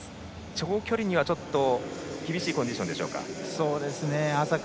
長距離にはちょっと厳しいコンディションでしょうか。